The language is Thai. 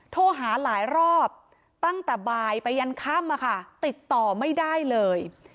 โทรหาหลายรอบตั้งแต่บ่ายไปยันค่ำติดต่อไม่ได้เลย